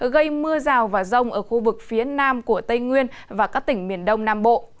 gây mưa rào và rông ở khu vực phía nam của tây nguyên và các tỉnh miền đông nam bộ